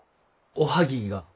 おはぎが。